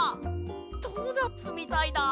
ドーナツみたいだ。